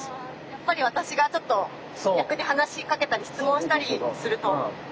やっぱり私がちょっと逆に話しかけたり質問したりすると。